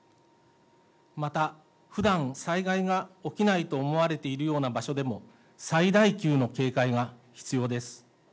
また、ふだん災害が起きないと思われているような場所でも、最大級の警戒が必要です。